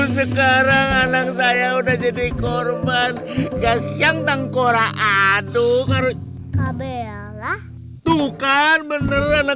sekarang anak saya udah jadi korban gas yang tengkorak aduk kabel tuh kan beneran